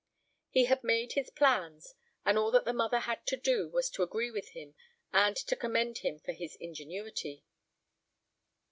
He had made his plans, and all that the mother had to do was to agree with him and to commend him for his ingenuity.